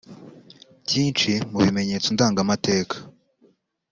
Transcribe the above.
Byinshi mu bimenyetso ndangamateka